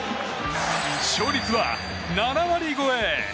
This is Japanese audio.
勝率は７割超え。